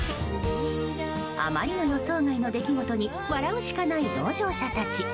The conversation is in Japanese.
あまりの予想外の出来事に笑うしかない同乗者たち。